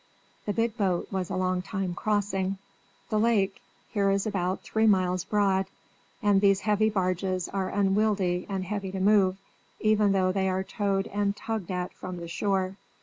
The big boat was a long time crossing; the lake here is about three miles broad, and these heavy barges are unwieldy and heavy to move, even though they are towed and tugged at from the shore.